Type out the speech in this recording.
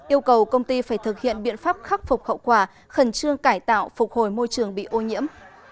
yêu cầu công ty phải thực hiện biện pháp khắc phục hậu quả khẩn trương cải tạo phục hồi môi trường bị ô nhiễm